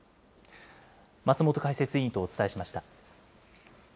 松本解説委員とお伝えしました。